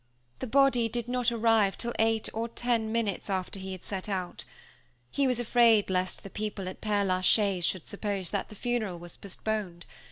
The body did not arrive till eight or ten minutes after he had set out. He was afraid lest the people at Père la Chaise should suppose that the funeral was postponed.